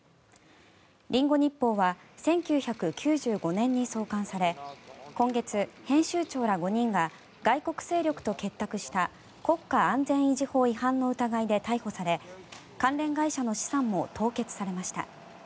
リンゴ日報は１９９５年に創刊され今月、編集長ら５人が外国勢力と結託した国家安全維持法違反の疑いで逮捕され関連会社の資産も凍結されました。